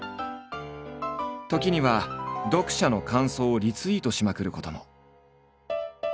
時には読者の感想をリツイートしまくることも。